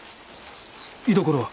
居所は？